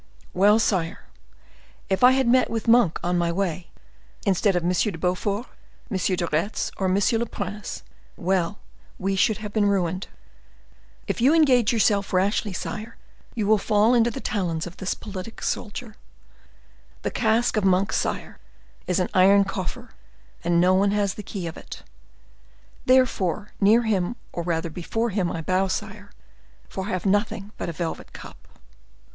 Well, sire, if I had met with Monk on my way, instead of Monsieur de Beaufort, Monsieur de Retz, or Monsieur le Prince—well, we should have been ruined. If you engage yourself rashly, sire, you will fall into the talons of this politic soldier. The casque of Monk, sire, is an iron coffer, and no one has the key of it. Therefore, near him, or rather before him, I bow, sire, for I have nothing but a velvet cap."